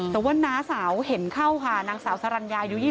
แต่ว่าน้าสาวเห็นเข้าค่ะนางสาวสรรญาอายุ๒๐